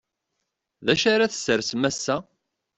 D acu ara tessersem ass-a?